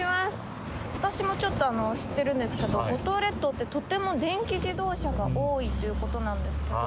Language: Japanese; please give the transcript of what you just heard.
私もちょっと知ってるんですけど五島列島ってとても電気自動車が多いということなんですけど。